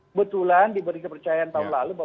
kebetulan diberi kepercayaan tahun lalu bahwa